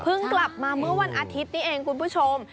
กลับมาเมื่อวันอาทิตย์นี้เองคุณผู้ชม